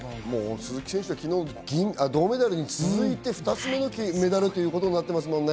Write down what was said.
鈴木選手は昨日、銅メダルに続いて２つ目のメダルとなっていますからね。